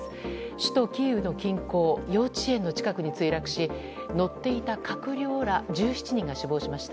首都キーウの近郊の幼稚園の近くに墜落し乗っていた閣僚ら１７人が死亡しました。